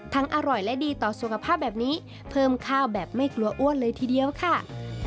อร่อยและดีต่อสุขภาพแบบนี้เพิ่มข้าวแบบไม่กลัวอ้วนเลยทีเดียวค่ะ